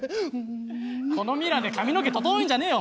このミラーで髪の毛整えんじゃねえよ